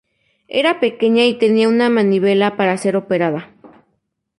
Era pequeña y tenía una manivela para ser operada.